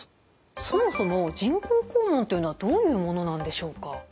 そもそも人工肛門というのはどういうものなんでしょうか？